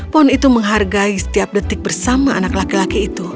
pohon itu menghargai setiap detik bersama anak laki laki itu